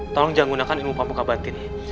tolong jangan gunakan ilmu pamuka batin